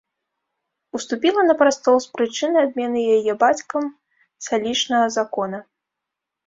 Уступіла на прастол з прычыны адмены яе бацькам салічнага закона.